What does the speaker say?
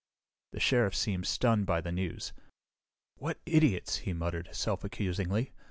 The Sheriff seemed stunned by the news. "What idiots!" he muttered self accusingly.